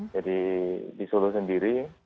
jadi di solo sendiri